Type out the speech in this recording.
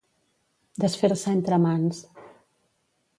Desfer-se entre mans.